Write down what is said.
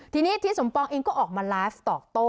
ทีนี้ทิศสมปองเองก็ออกมาไลฟ์ตอบโต้